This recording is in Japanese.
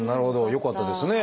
よかったですね。